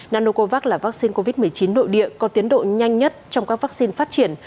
nanocovax là vaccine covid một mươi chín nội địa có tiến độ nhanh nhất trong các vaccine phát triển